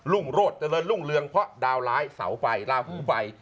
รุ่งโรดเจริญรุ่งเรืองเพราะดาวร้ายสาวไปดาวผู้ไป